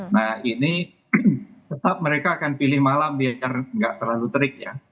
nah ini tetap mereka akan pilih malam biar nggak terlalu terik ya